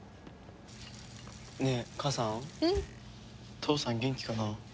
父さん元気かな？